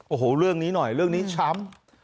โอ้โหเรื่องนี้หน่อยเรื่องนี้ช้ำ